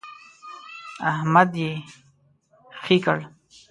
احمد يې خې کړ.